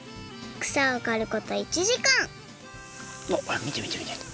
くさをかること１じかんおっみてみてみて。